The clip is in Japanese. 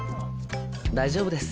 大丈夫です。